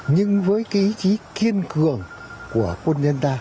nhưng với ý chí kiên cường của quân nhân ta